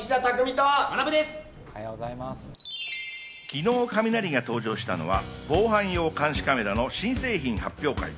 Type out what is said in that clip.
昨日、カミナリが登場したのは防犯用監視カメラの新製品発表会。